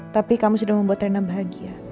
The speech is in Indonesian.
tapi kamu sudah membuat rena bahagia